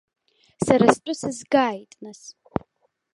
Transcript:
Сара стәы сызгааит, нас.